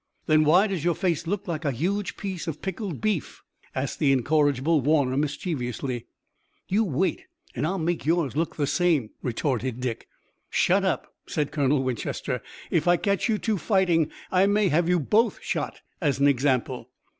"Then why does your face look like a huge piece of pickled beef?" asked the incorrigible Warner mischievously. "You wait and I'll make yours look the same!" retorted Dick. "Shut up," said Colonel Winchester. "If I catch you two fighting I may have you both shot as an example."